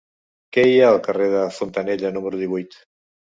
Què hi ha al carrer de Fontanella número divuit?